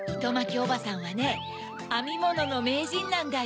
おばさんはねあみもののめいじんなんだよ。